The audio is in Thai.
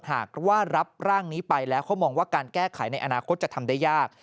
หากว่ารับร่างนี้ไปแล้วเขามองว่าการแก้ไขในอนาคตจะทำได้ยาก